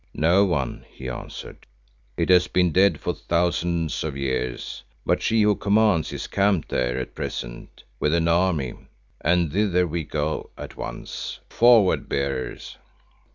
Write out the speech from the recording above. "No one," he answered, "it has been dead for thousands of years, but She who commands is camped there at present with an army, and thither we go at once. Forward, bearers."